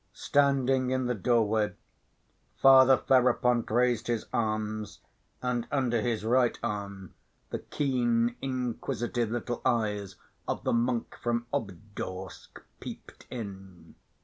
Standing in the doorway, Father Ferapont raised his arms, and under his right arm the keen inquisitive little eyes of the monk from Obdorsk peeped in.